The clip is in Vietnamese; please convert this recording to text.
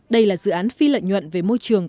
đây là dự án phi lợi nhuận về môi trường